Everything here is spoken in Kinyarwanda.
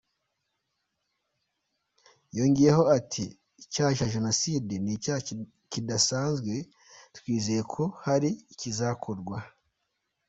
Yongeyeho ati “Icyaha cya Jenoside ni icyaha kidasaza twizeye ko hari ikizakorwa”.